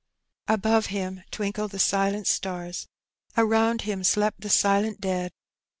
Above him twinkled the silent stars. Around him slept the silent dead.